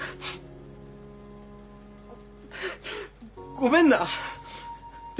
ごめんな亮。